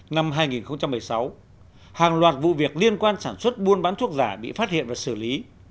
năm hai nghìn một mươi sáu hàng loạt vụ việc liên quan sản xuất buôn bán thuốc giả bị phát hiện và xử lý